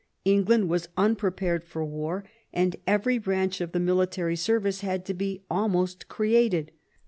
England was unprepared for war, and every branch of the military service had to be almost created.